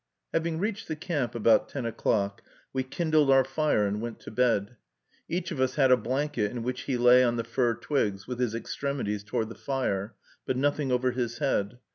Having reached the camp, about ten o'clock, we kindled our fire and went to bed. Each of us had a blanket, in which he lay on the fir twigs, with his extremities toward the fire, but nothing over his head.